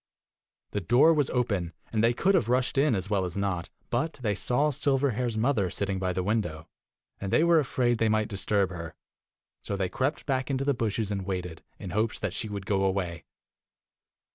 The door was open, and they could have rushed in as well as not, but they saw Silverhair's mother sitting by the window, and they were afraid they might disturb her; so they crept back into the bushes and waited, in hopes that she would go away.